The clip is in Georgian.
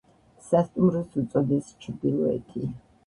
სასტუმროს უწოდეს „ჩრდილოეთი“.